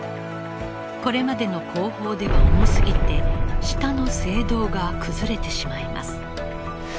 これまでの工法では重すぎて下の聖堂が崩れてしまいます。